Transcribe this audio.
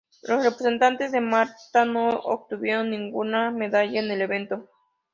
Los representantes de Malta no obtuvieron ninguna medalla en el evento.